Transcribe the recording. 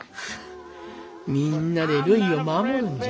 みんなでるいを守るんじゃ。